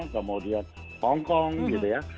kemudian hong kong gitu ya